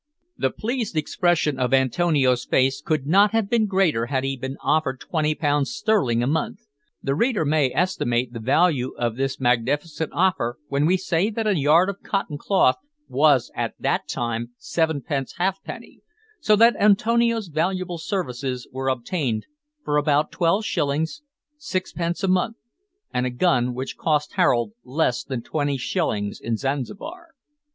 The pleased expression of Antonio's face could not have been greater had he been offered twenty pounds sterling a month. The reader may estimate the value of this magnificent offer when we say that a yard of cotton cloth was at that time sevenpence halfpenny, so that Antonio's valuable services were obtained for about 12 shillings, 6 pence a month, and a gun which cost Harold less than twenty shillings in Zanzibar.